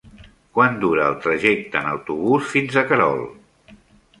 Quant dura el trajecte en autobús fins a Querol?